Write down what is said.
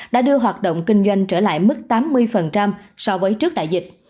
đã đưa hoạt động kinh doanh trở lại mức tám mươi so với trước đại dịch